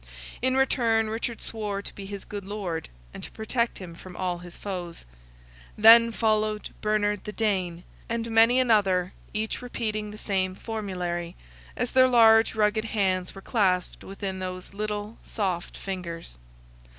In return, Richard swore to be his good Lord, and to protect him from all his foes. Then followed Bernard the Dane, and many another, each repeating the same formulary, as their large rugged hands were clasped within those little soft fingers.